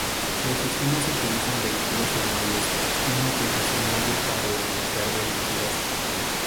Los sistemas utilizan vehículos sin muelles y una aplicación móvil para desbloquear vehículos.